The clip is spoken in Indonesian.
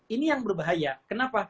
ini yang berbahaya kenapa